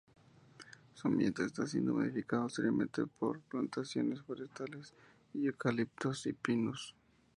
Su ambiente está siendo modificado seriamente por plantaciones forestales de "Eucaliptus" y "Pinus".